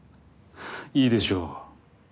いいでしょう。